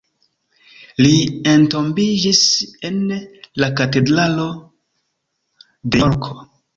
Li entombiĝis en la katedralo de Jorko.